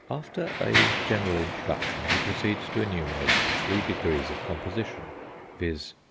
After a general introduction, he proceeds to enumerate the three degrees of composition, viz.